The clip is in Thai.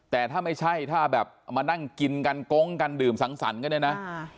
แต่ถ้าไม่ใช่ถ้าแบบมานั่งกินกันโก๊งกันดื่มสังสรรค์กันเนี่ยนะ